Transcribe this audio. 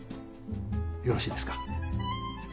よろしいですか？